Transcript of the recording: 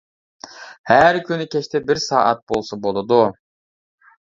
ھەر كۈنى كەچتە بىر سائەت بولسا بولىدۇ.